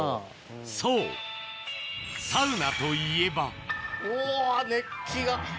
そうサウナといえばうわ熱気が。